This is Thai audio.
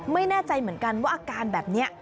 ไม่แน่ใจเหมือนกันว่าอาการแบบนี้